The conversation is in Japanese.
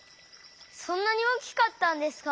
そんなに大きかったんですか？